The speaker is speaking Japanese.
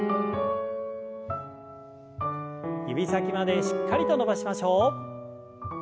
指先までしっかりと伸ばしましょう。